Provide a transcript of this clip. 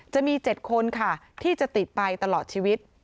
จะมี๗คนค่ะที่จะติดไปตลอดชีวิต